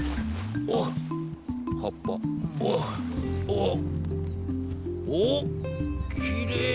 おお。おっきれい！